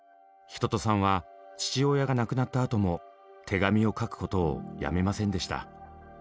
一青さんは父親が亡くなったあとも手紙を書くことをやめませんでした。